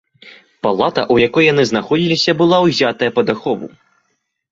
Палата, у якой яны знаходзіліся, была ўзятая пад ахову.